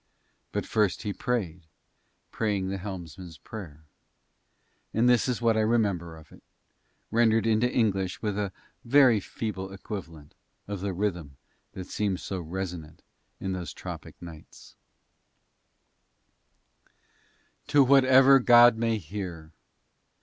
But first he prayed, praying the helmsman's prayer. And this is what I remember of it, rendered into English with a very feeble equivalent of the rhythm that seemed so resonant in those tropic nights To whatever god may hear.